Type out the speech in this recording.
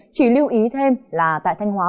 chỉ lưu ý thêm là tại thanh hóa